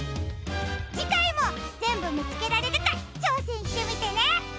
じかいもぜんぶみつけられるかちょうせんしてみてね！